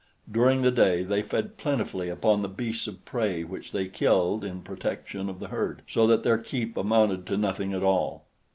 During the day they fed plentifully upon the beasts of prey which they killed in protection of the herd, so that their keep amounted to nothing at all.